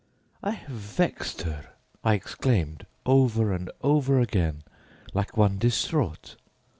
"I have vexed her!" I exclaimed over and over again, like one distraught.